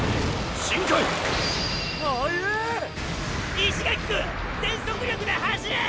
石垣くん全速力で走れ！